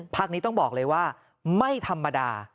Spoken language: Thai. นี้ต้องบอกเลยว่าไม่ธรรมดา